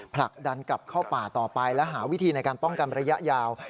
ผลักดันกลับเข้าป่าต่อไปและหาวิธีในการป้องกันระยะยาว